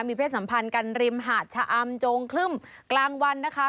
มีเพศสัมพันธ์กันริมหาดชะอำโจงคลึ่มกลางวันนะคะ